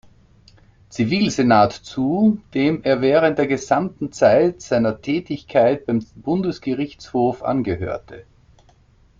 Zivilsenat zu, dem er während der gesamten Zeit seiner Tätigkeit beim Bundesgerichtshof angehörte.